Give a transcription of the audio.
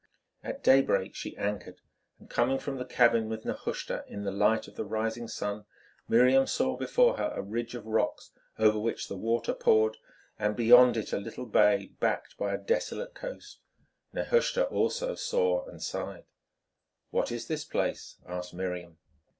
At daybreak she anchored, and coming from the cabin with Nehushta, in the light of the rising sun Miriam saw before her a ridge of rocks over which the water poured, and beyond it a little bay backed by a desolate coast. Nehushta also saw and sighed. "What is this place?" asked Miriam.